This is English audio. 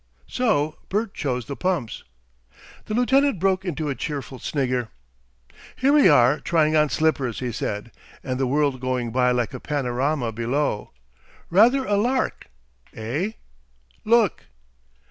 So Bert chose the pumps. The lieutenant broke into a cheerful snigger. "Here we are trying on slippers," he said, "and the world going by like a panorama below. Rather a lark, eh? Look!"